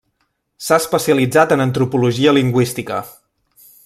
S'ha especialitzat en antropologia lingüística.